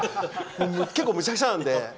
結構、めちゃくちゃなので。